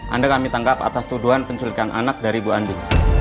anda kami tangkap atas tuduhan penculikan anak dari ibu andi